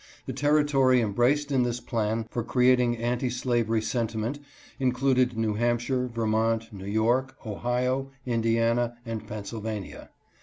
The territory embraced in this plan for creating anti slavery sentiment included New Hampshire, Vermont, New York, Ohio, Indiana, and Pennsylvania.